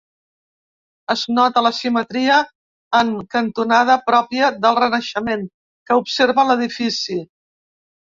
Es nota la simetria en cantonada, pròpia del Renaixement, que observa l'edifici.